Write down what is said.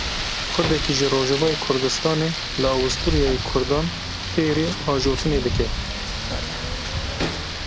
Kurdekî ji Rojavayê Kurdistanê li Awisturyayê Kurdan fêrî ajotinê dike.